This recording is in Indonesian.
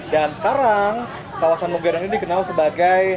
dan sekarang kawasan mugyodong ini dikenal sebagai